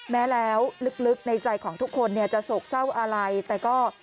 แม้แล้วลึกในใจของทุกคนเนี่ยจะโศกเศร้าอะไรแต่ก็